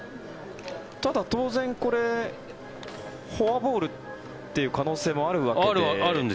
ただ、当然フォアボールという可能性もあるわけで。